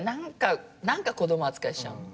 何か子供扱いしちゃうの。